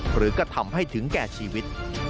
หรือก็ทำให้ถึงแก่ชีวิต